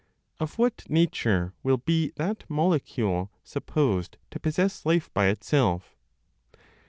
Of what nature will be that molecule supposed to possess life by itself?